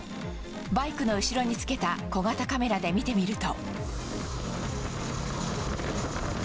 バイクの後ろにつけた小型カメラで見てみると。